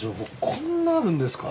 こんなあるんですか？